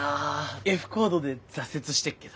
Ｆコードで挫折してっけど。